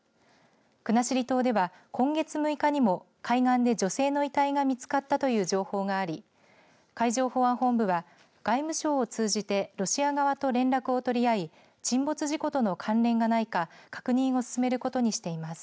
国後島では、今月６日にも海岸で女性の遺体が見つかったという情報があり海上保安本部は外務省を通じてロシア側と連絡を取り合い沈没事故との関連がないか確認を進めることにしています。